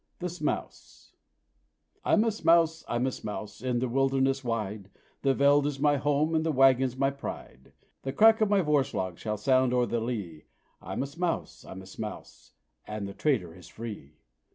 "THE SMOUSE." "I'm a Smouse, I'm a Smouse in the wilderness wide The veld is my home, and the wagon's my pride; The crack of my "voerslag," shall sound o'er the lea. I'm a Smouse, I'm a Smouse, and the trader is free!